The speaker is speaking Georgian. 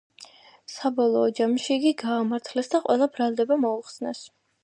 საბოლოო ჯამში იგი გაამართლეს და ყველა ბრალდება მოუხსნეს.